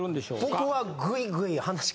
僕は。